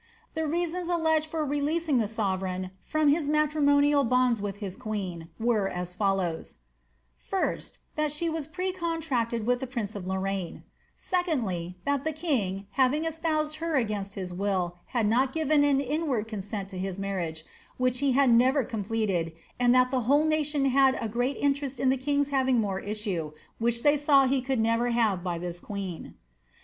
The reasons alleged for feleasing the sovereign from his matrimonial bonds with his queen were IS follows :^ 1st, That she was precontracted to the prince of Lorraine ; Sdly, That the king, having espoused her against his will, had not given iQ inward consent to his marriage, which he had never completed, and that the whole nation had a great interest in the king's having more issue, which they saw he could never have by this queen.